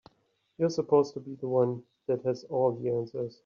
You're supposed to be the one that has all the answers.